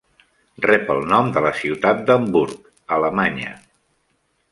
Rep el nom de la ciutat d'Hamburg, a Alemanya.